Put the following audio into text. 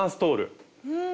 うん。